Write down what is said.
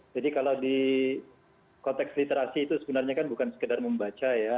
jadi kalau di konteks literasi itu sebenarnya bukan sekedar membaca